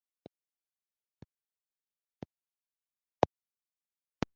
ijuru rye naryo ryimuka Aho agiye